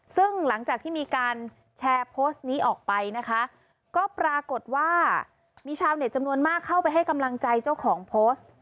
ซึ่งหลังจากที่มีการแชร์โพสต์นี้ออกไปนะคะก็ปรากฏว่ามีชาวเน็ตจำนวนมากเข้าไปให้กำลังใจเจ้าของโพสต์